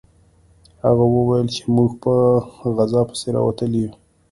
هغوی وویل چې موږ په غذا پسې راوتلي یو